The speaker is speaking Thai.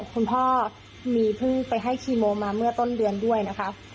คุณพ่อมีเพิ่งไปให้คีโมมาเมื่อต้นเดือนด้วยนะคะ